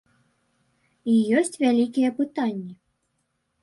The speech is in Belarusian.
І ёсць вялікія пытанні.